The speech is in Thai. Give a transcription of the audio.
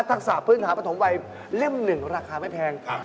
ทักษะพื้นหาประถมวัยเล่มหนึ่งราคาไม่แพงค่ะ